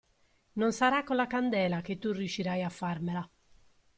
Non sarà con la candela che tu riuscirai a farmela!